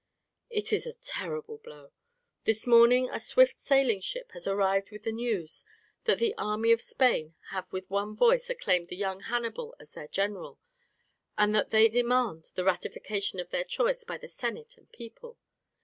"It is a terrible blow. This morning a swift sailing ship has arrived with the news that the army of Spain have with one voice acclaimed the young Hannibal as their general, and that they demand the ratification of their choice by the senate and people.